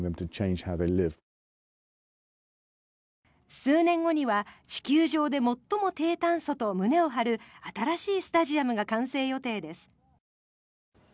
数年後には地球上で最も低炭素と胸を張る新しいスタジアムが完成予定です。